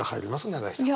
永井さん。